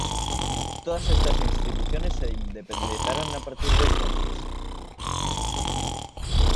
Todas estas instituciones se independizaron a partir de entonces.